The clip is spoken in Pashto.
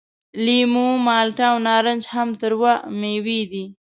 لیمو، مالټه او نارنج هم تروه میوې دي.